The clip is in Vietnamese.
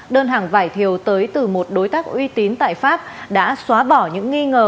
đơn hàng vải thiều tới từ một đối tác uy tín tại pháp đã xóa bỏ những nghi ngờ